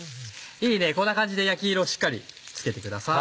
いいねこんな感じで焼き色をしっかりつけてください。